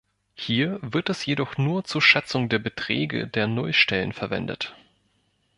Hier wird es jedoch nur zur Schätzung der Beträge der Nullstellen verwendet.